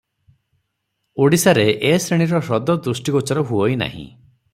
ଓଡ଼ିଶାରେ ଏ ଶ୍ରେଣୀର ହ୍ରଦ ଦୃଷ୍ଟିଗୋଚର ହୁଅଇ ନାହିଁ ।